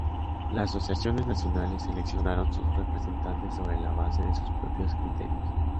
Las asociaciones nacionales seleccionaron sus representantes sobre la base de sus propios criterios.